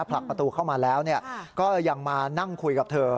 ผลักประตูเข้ามาแล้วก็ยังมานั่งคุยกับเธอ